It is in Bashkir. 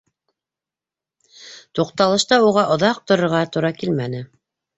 Туҡталышта уға оҙаҡ торорға тура килмәне.